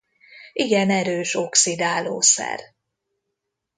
Igen erős oxidálószer.